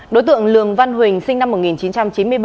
đối tượng lường văn huỳnh sinh năm một nghìn chín trăm chín mươi bảy